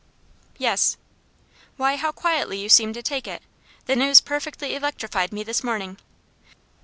"Yes." "Why, how quietly you seem to take it! The news perfectly electrified me this morning.